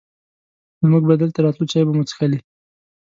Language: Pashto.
نو مونږ به دلته راتلو، چای به مو چښلې.